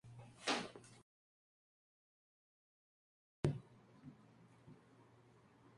Se llamó San Patricio, por el Arzobispo de Armagh y patrón de Irlanda.